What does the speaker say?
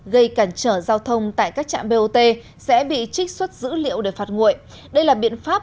gây cản trở giao thông tại các trạm bot sẽ bị trích xuất dữ liệu để phạt nguội đây là biện pháp